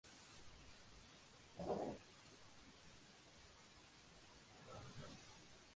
Este es el primer enlace directo por tierra entre Rusia y Corea del Norte.